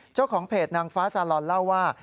เจ้าของเพจนางฟ้าซาลอนเล่าว่า